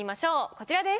こちらです。